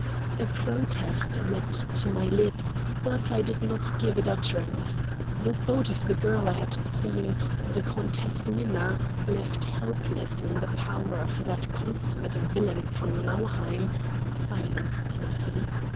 A protest leapt to my lips. But I did not give it utterance. The thought of the girl I had seen, the Countess Minna, left helpless in the power of that consummate villain von Nauheim, silenced me.